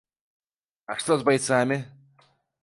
А што з байцамі?